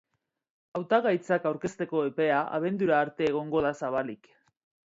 Hautagaitzak aurkezteko epea abendura arte egongo da zabalik.